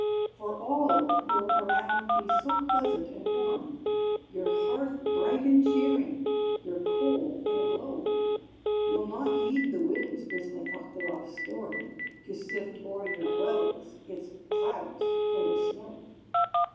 For all will around be so pleasant and warm, Your hearth bright and cheering your coal in a glow; You'll not heed the winds whistling up the rough storm To sift o'er your dwellings its clouds full of snow!